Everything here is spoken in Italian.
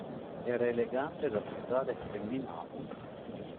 Era elegante da sembrare effeminato.